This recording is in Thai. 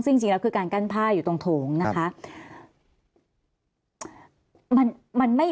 ซึ่งจริงแล้วคือการกั้นผ้าอยู่ตรงโถงนะคะ